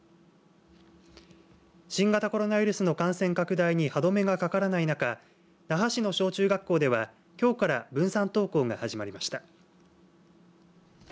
新型コロナウイルスの感染拡大に歯止めがかからない中那覇市の小中学校では今日から分散登校が始まりました。